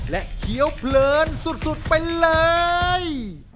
และเคี้ยวเพลินสุดไปเลย